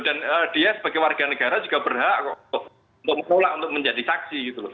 dan dia sebagai warga negara juga berhak untuk menolak untuk menjadi saksi gitu